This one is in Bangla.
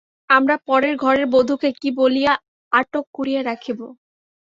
আমরা পরের ঘরের বধূকে কী বলিয়া আটক করিয়া রাখিব।